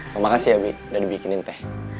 terima kasih ya bi udah dibikinin teh